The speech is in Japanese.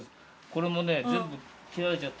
これもね全部切られちゃった。